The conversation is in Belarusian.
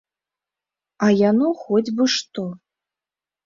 А яно хоць бы што!